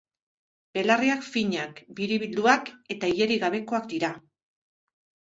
Belarriak finak, biribilduak eta ilerik gabekoak dira.